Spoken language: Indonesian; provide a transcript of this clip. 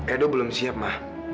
edo belum siap ma